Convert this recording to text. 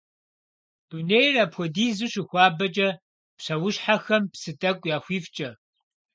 Дунейр апхуэдизу щыхуабэкӏэ, псэущхьэхэм псы тӏэкӏу яхуифкӏэ.